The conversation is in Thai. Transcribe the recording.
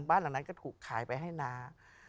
บ้านหลังนั้นก็ถูกขายไปให้นา